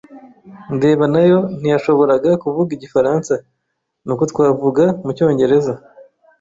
ndeba nayo ntiyashoboraga kuvuga igifaransa, nuko twavuga mucyongereza.